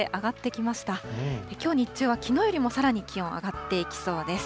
きょう日中はきのうよりもさらに気温上がっていきそうです。